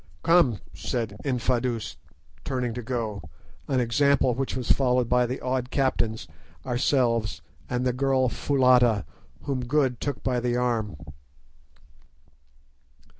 "Come," said Infadoos, turning to go, an example which was followed by the awed captains, ourselves, and the girl Foulata, whom Good took by the arm.